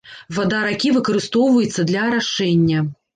Вада ракі выкарыстоўваецца для арашэння.